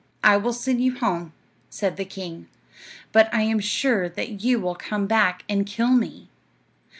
"I will send you home," said the king; "but I am sure that you will come back and kill me."